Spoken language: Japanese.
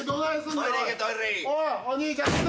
おいお兄ちゃん。